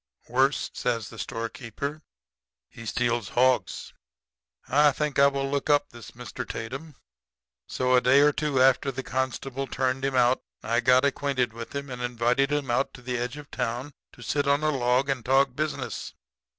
"'Worse,' says the storekeeper. 'He steals hogs.' "I think I will look up this Mr. Tatum; so a day or two after the constable turned him out I got acquainted with him and invited him out on the edge of town to sit on a log and talk business.